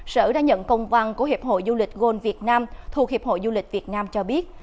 sở đã nhận công văn của hiệp hội du lịch gold việt nam thuộc hiệp hội du lịch việt nam cho biết